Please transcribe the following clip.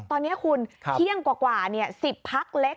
ตอนนี้คุณเที่ยงกว่า๑๐พักเล็ก